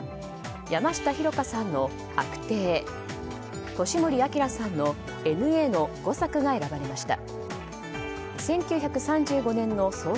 山下紘加さんの「あくてえ」年森瑛さんの「Ｎ／Ａ」の５作が選ばれました。